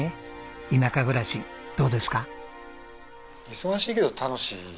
忙しいけど楽しい。